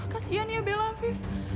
kasian ya bella afif